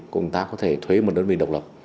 chúng ta có thể thuế một đơn vị độc lập